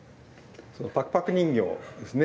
パクパク人形ですね。